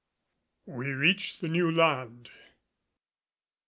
WE REACH THE NEW LAND.